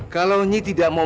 kalau nyi tidak mau